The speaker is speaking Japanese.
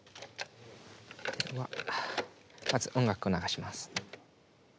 まず音楽を流します。